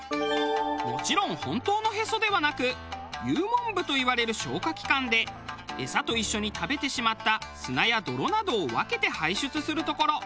もちろん本当のへそではなく幽門部といわれる消化器官で餌と一緒に食べてしまった砂や泥などを分けて排出する所。